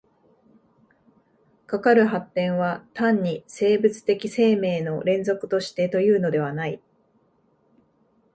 かかる発展は単に生物的生命の連続としてというのではない。